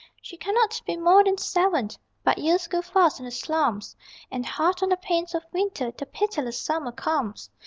She cannot be more than seven; But years go fast in the slums, And hard on the pains of winter The pitiless summer comes.